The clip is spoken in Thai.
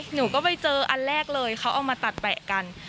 หนูก็ไปเจออันแรกเลยเขาเอามาตัดแปะกัน